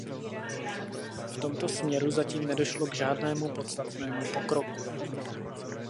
V tomto směru zatím nedošlo k žádnému podstatnému pokroku.